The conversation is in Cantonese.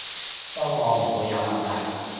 方案唔會有問題